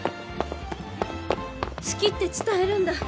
好きって伝えるんだ！